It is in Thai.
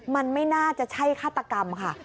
มันไม่น่าจะใช่ฆาตกรรมค่ะ